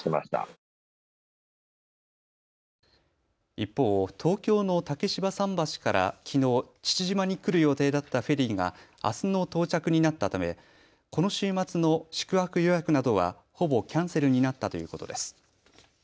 一方、東京の竹芝桟橋からきのう父島に来る予定だったフェリーがあすの到着になったためこの週末の宿泊予約などはほぼキャンセルになったということです。